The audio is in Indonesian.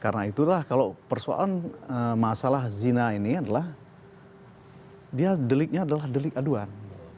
karena itulah kalau persoalan masalah zina ini adalah dia deliknya adalah delik aduan